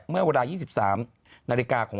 เมื่อเวลา๒๓นาฬิกาของ